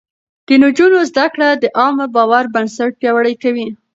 د نجونو زده کړه د عامه باور بنسټ پياوړی کوي.